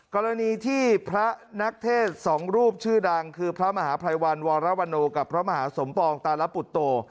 กรณีที่พระนักเทศสองรูปชื่อดังคือพระมหาภัยวันวรวโนกับพระมหาสมปองตาลปุตโต